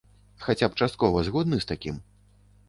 Хаця б часткова згодны з такім?